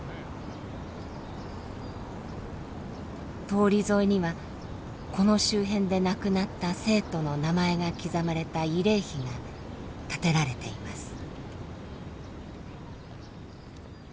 通り沿いにはこの周辺で亡くなった生徒の名前が刻まれた慰霊碑が建てられています。